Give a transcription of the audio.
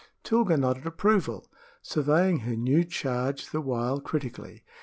Tilga nodded approval, surveying her new charge the while critically.